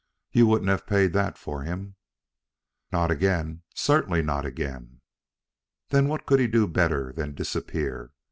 You wouldn't have paid that for him?" "Not again; certainly not again." "Then what could he do better than disappear?